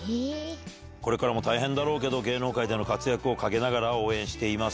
これからも大変だろうけど、芸能界での活躍を陰ながら応援しています。